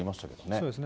そうですね。